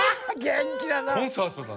コンサートだ。